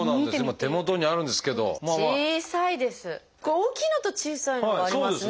大きいのと小さいのがありますね。